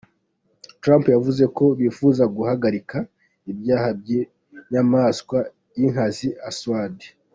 Trump yavuze ko bifuza guhagarika ibyaha by’inyamaswa y’inkazi Assad.